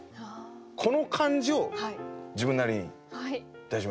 この感じを自分なりに出しました。